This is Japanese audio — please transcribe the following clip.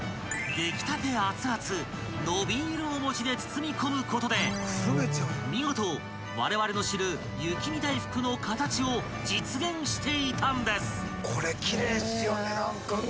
［出来たてあつあつ伸びーるお餅で包み込むことで見事われわれの知る雪見だいふくの形を実現していたんです］